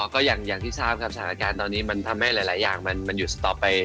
ก็อย่างที่ทราบครับสถานการณ์ตอนนี้มันทำให้หลายอย่างมันหยุดต่อไป